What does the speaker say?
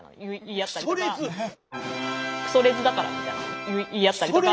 「くそレズだから」みたいな言いあったりとか。